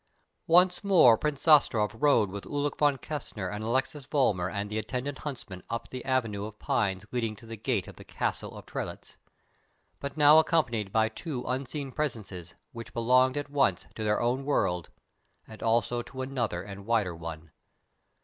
Once more Prince Zastrow rode with Ulik von Kessner and Alexis Vollmar and the attendant huntsmen up the avenue of pines leading to the gate of the Castle of Trelitz, but now accompanied by two unseen Presences which belonged at once to their own world and also to another and wider one.